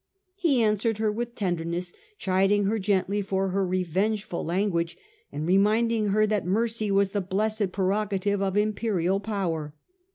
He answered her with tenderness, chiding her gently for her revengeful language, and reminding her that mercy was the blessed prerogative of imperial power.